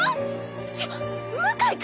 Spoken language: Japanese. ちょっ向井君！